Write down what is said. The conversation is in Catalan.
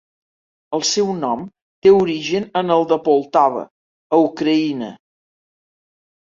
El seu nom té origen en el de Poltava, a Ucraïna.